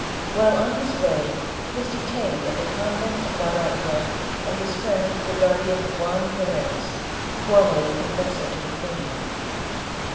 While on his way he was detaine^ at the convent of La Rabida, by his friend the guardian, Juan Perez, formerly confessor to the queen.